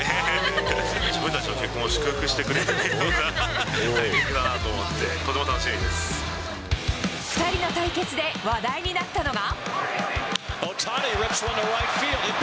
自分たちの結婚を祝福してくれてるようなタイミングだなと思って、２人の対決で話題になったのが。